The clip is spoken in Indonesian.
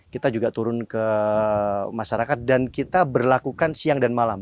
kita juga turun ke masyarakat dan kita berlakukan siang dan malam